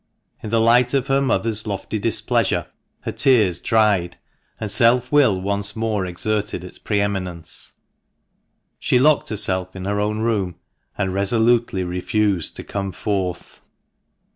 In the light of her mother's lofty displeasure her tears dried, and self will once more exerted its pre eminence. She locked herself in her own room, and resolutely refused to come forth.